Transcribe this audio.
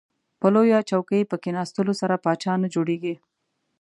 په لویه چوکۍ په کیناستلو سره پاچا نه جوړیږئ.